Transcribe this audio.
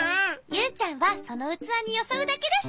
ユウちゃんはそのうつわによそうだけだし。